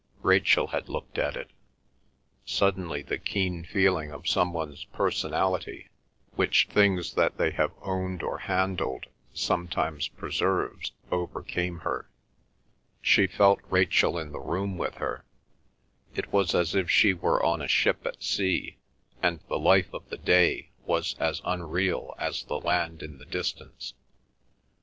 Rachel had looked at it. Suddenly the keen feeling of some one's personality, which things that they have owned or handled sometimes preserves, overcame her; she felt Rachel in the room with her; it was as if she were on a ship at sea, and the life of the day was as unreal as the land in the distance.